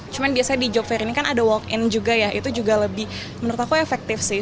cuman biasanya di job fair ini kan ada walk in juga ya itu juga lebih menurut aku efektif sih